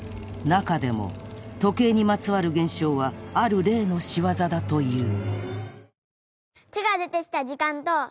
［中でも時計にまつわる現象はある霊の仕業だという］